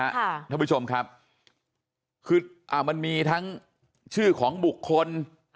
ท่านผู้ชมครับคืออ่ามันมีทั้งชื่อของบุคคล